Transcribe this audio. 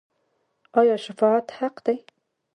آیا شفاعت حق دی؟